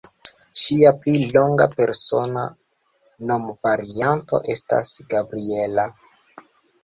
Ŝia pli longa persona nomvarianto estas Gabriella.